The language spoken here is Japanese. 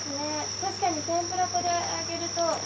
確かに天ぷら粉で揚げると。